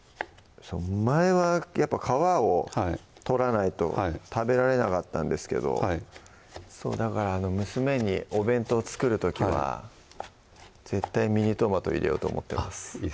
前はやっぱ皮を取らないと食べられなかったんですけどそうだから娘にお弁当作る時は絶対ミニトマト入れようと思ってます